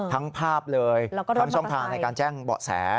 ภาพเลยทั้งช่องทางในการแจ้งเบาะแส